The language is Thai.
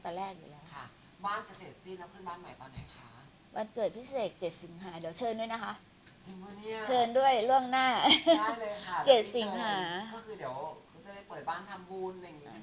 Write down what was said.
ก็คือเดี๋ยวเขาจะได้เปิดบ้านทำบูนอะไรอย่างงี้ใช่ไหมคะ